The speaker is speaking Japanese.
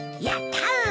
やった！